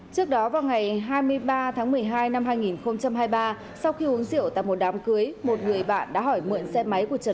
trước đó vào ngày hai mươi ba tháng một mươi hai năm hai nghìn hai mươi ba sau khi uống rượu tại một đám cưới một người bạn đã hỏi mượn xe máy của trần